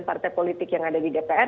partai politik yang ada di dpr